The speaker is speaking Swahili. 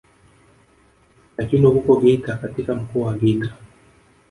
Lakini huko Geita katika mkoa wa Geita